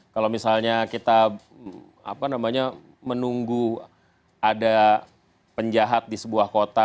kalau misalnya kita menunggu ada penjahat di sebuah kota